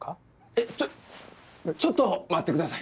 えっちょっちょっと待って下さい。